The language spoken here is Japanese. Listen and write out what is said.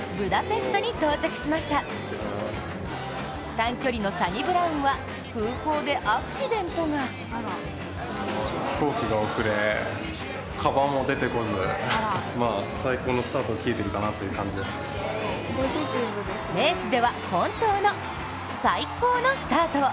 短距離のサニブラウンは、空港でアクシデントがレースでは本当の、最高のスタートを。